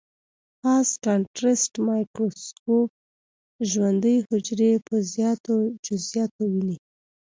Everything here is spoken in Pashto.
فاز کانټرسټ مایکروسکوپ ژوندۍ حجرې په زیاتو جزئیاتو ويني.